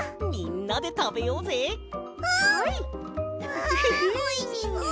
わおいしそう。